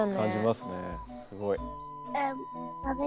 すごい。